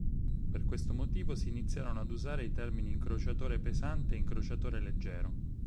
Per questo motivo si iniziarono ad usare i termini incrociatore pesante e incrociatore leggero.